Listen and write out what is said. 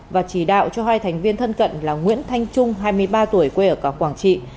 và chỉ đạo cho hai thành viên thân cận là nguyễn thanh trung hai mươi ba tuổi quê ở quảng trị